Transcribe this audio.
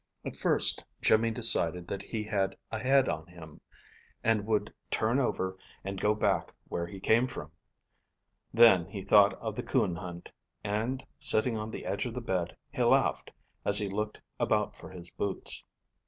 At first Jimmy decided that he had a head on him, and would turn over and go back where he came from. Then he thought of the coon hunt, and sitting on the edge of the bed he laughed, as he looked about for his boots.